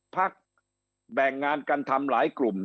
พักแบ่งงานกันทำหลายกลุ่ม